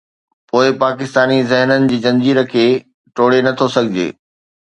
پوءِ پاڪستاني ذهنن جي زنجير کي ٽوڙي نٿو سگهجي؟